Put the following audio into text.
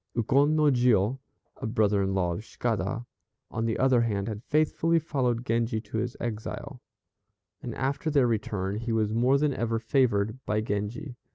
Ukon no Jiô, a brother in law of Cicada, on the other hand, had faithfully followed Genji to his exile, and after their return he was more than ever favored by Genji.